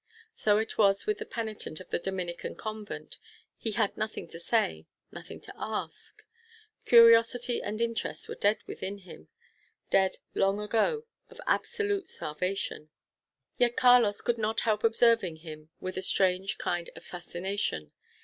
So it was with the penitent of the Dominican convent. He had nothing to say, nothing to ask; curiosity and interest were dead within him dead long ago, of absolute starvation. Yet Carlos could not help observing him with a strange kind of fascination.